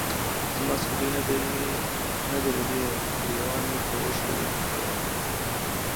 زما سلګۍ نه درېدې، ګرېوان مې به اوښکو لوند کړ.